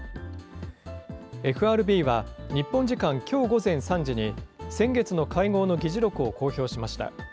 ＦＲＢは、日本時間きょう午前３時に、先月の会合の議事録を公表しました。